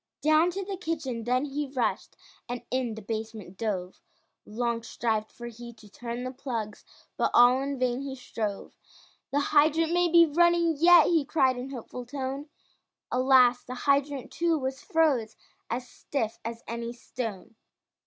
Down to the kitchen then he rushed, And in the basement dove, Long strived he for to turn the plugs, But all in vain he strove. "The hydrant may be running yet," He cried in hopeful tone, Alas, the hydrant too, was froze, As stiff as any stone.